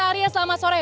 mas arya selamat sore